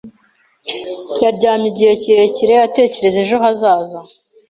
Yaryamye igihe kirekire, atekereza ejo hazaza.